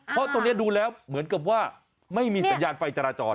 เพราะตรงนี้ดูแล้วเหมือนกับว่าไม่มีสัญญาณไฟจราจร